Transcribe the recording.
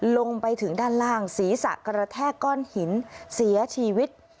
ลงไปถึงด้านล่างศีรษะกระแทกก้อนหินเสียชีวิต